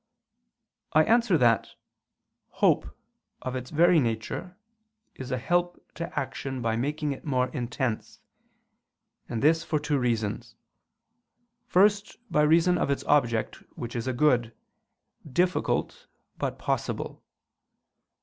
I answer that, Hope of its very nature is a help to action by making it more intense: and this for two reasons. First, by reason of its object, which is a good, difficult but possible.